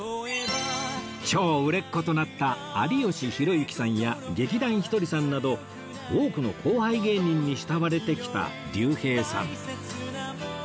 超売れっ子となった有吉弘行さんや劇団ひとりさんなど多くの後輩芸人に慕われてきた竜兵さん